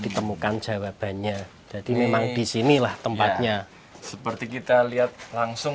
dan membutuhkan kurang lebih empat setengah orang